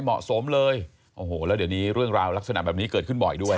เหมาะสมเลยโอ้โหแล้วเดี๋ยวนี้เรื่องราวลักษณะแบบนี้เกิดขึ้นบ่อยด้วย